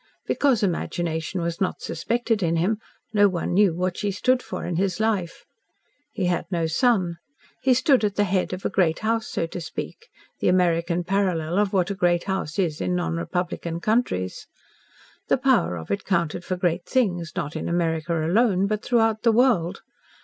Because imagination was not suspected in him, no one knew what she stood for in his life. He had no son; he stood at the head of a great house, so to speak the American parallel of what a great house is in non republican countries. The power of it counted for great things, not in America alone, but throughout the world.